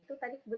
itu tadi betul